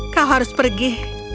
kau harus pergi